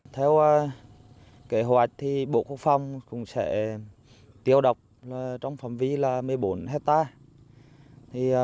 theo kế hoạch bộ quốc phòng cũng sẽ tiêu độc trong phòng vi là một mươi bốn hectare